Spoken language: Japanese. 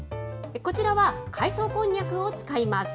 こちらは海藻こんにゃくを使います。